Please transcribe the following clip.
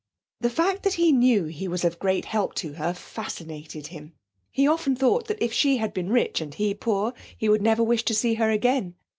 The fact that he knew he was of great help to her fascinated him; he often thought that if she had been rich and he poor he would never wish to see her again.